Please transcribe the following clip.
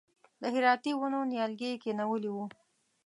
د هراتي ونو نیالګي یې کښېنولي و.